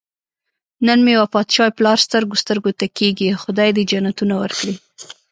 نن مې وفات شوی پلار سترګو سترګو ته کېږي. خدای دې جنتونه ورکړي.